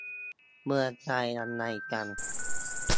เมืองไทยยังไงกัน